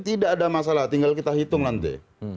tidak ada masalah tinggal kita hitung nanti